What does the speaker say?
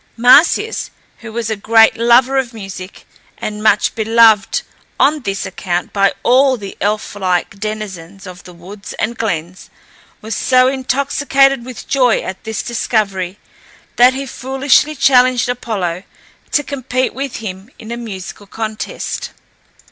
Marsyas, who was a great lover of music, and much beloved on this account by all the elf like denizens of the woods and glens, was so intoxicated with joy at this discovery, that he foolishly challenged Apollo to compete with him in a musical contest.